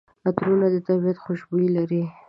عطرونه د طبیعت خوشبويي لري.